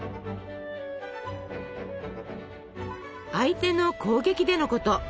相手の攻撃でのこと。